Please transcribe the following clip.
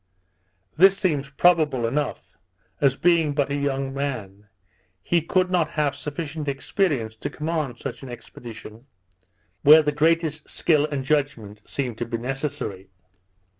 This seems probable enough; as being but a young man, he could not have sufficient experience to command such an expedition, where the greatest skill and judgment seemed to be necessary.